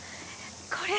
これ。